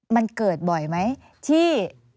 มันเกิดบ่อยไหมที่